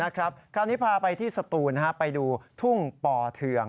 คราวนี้พาไปที่สตูนไปดูทุ่งป่อเทือง